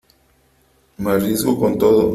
me arriesgo con todo .